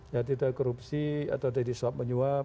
ya tidak korupsi atau tadi swap menyuap